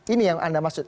ini yang anda maksud